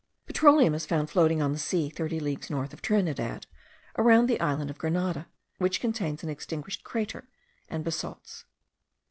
Petroleum is found floating on the sea thirty leagues north of Trinidad, around the island of Grenada, which contains an extinguished crater and basalts.